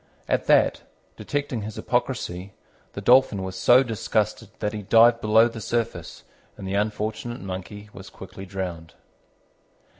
At that, detecting his hypocrisy, the Dolphin was so disgusted that he dived below the surface, and the unfortunate Monkey was quickly drowned.